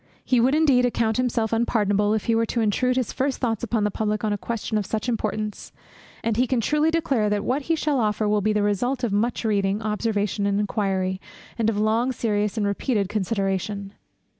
He would indeed account himself unpardonable, if he were to intrude his first thoughts upon the Public on a question of such importance; and he can truly declare, that what he shall offer will be the result of much reading, observation, and inquiry, and of long, serious, and repeated consideration.